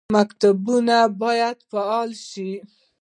مکتبونه باید فعال شي